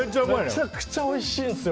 めちゃくちゃおいしいんですよ